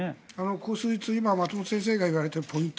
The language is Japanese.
ここ数日、松本先生が言われているポイント